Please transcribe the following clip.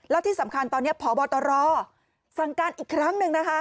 แล้วที่สำคัญตอนนี้พบตรสั่งการอีกครั้งหนึ่งนะคะ